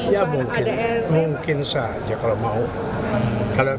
ya mungkin mungkin saja kalau mau